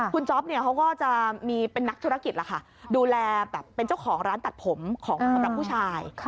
คุณจ๊อปก็จะมีเป็นนักธุรกิจแล้วค่ะดูแลเป็นเจ้าของร้านตัดผมของพหลักผู้ชาย